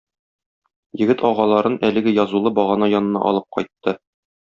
Егет агаларын әлеге язулы багана янына алып кайтты.